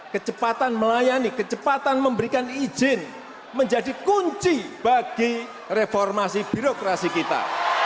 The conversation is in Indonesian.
kecepatan melayani kecepatan memberikan izin menjadi kunci bagi reformasi birokrasi kita